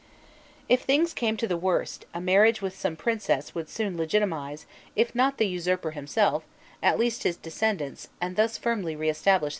If things came to the worst, a marriage with some princess would soon legitimise, if not the usurper himself, at least his descendants, and thus firmly re establish the succession.